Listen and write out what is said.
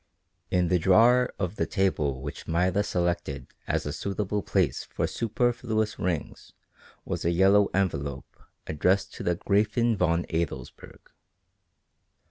In the drawer of the table which Maida selected as a suitable place for superfluous rings was a yellow envelope addressed to the Gräfin von Adelsburg.